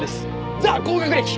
ザ・高学歴！